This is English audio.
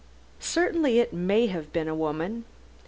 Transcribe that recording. Certainly it may have been a woman!